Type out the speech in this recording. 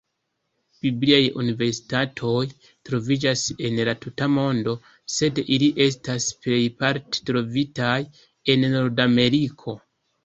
Bibliaj universitatoj troviĝas en la tuta mondo, sed ili estas plejparte trovitaj en Nordameriko.